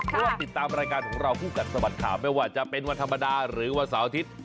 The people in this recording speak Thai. เพราะว่าติดตามรายการของเราคู่กัดสะบัดข่าวไม่ว่าจะเป็นวันธรรมดาหรือวันเสาร์อาทิตย์